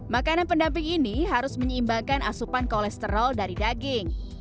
makanan pendamping ini harus menyeimbangkan asupan kolesterol dari daging